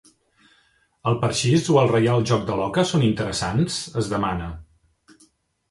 El Parxís o el Reial Joc de l'Oca són interessants? —es demana